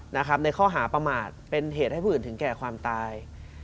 ในข้อหาประมาทเป็นเหตุให้ผู้อื่นถึงแก่ความตาย